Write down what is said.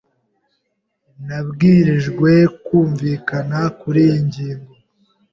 Nabwirijwe kumvikana kuriyi ngingo.